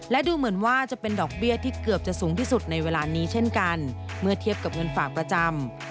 และดูเหมือนว่าจะเป็นดอกเบี้ยที่เกือบจะสูงที่สุดในเวลานี้เช่นกันเมื่อเทียบกับเงินฝากประจำ